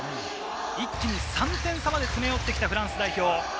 一気に３点差まで詰め寄ってきたフランス代表。